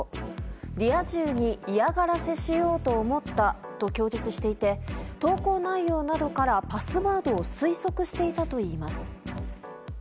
リア充に嫌がらせしようと思ったと供述していて投稿内容などからパスワードを推測していたといいます。